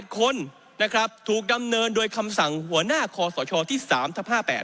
๑๓๑คนถูกดำเนินโดยคำสั่งหัวหน้าคอสชที่๓ท๕๘